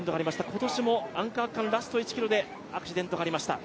今年もアンカー区間ラスト１ｋｍでアクシデントがありました。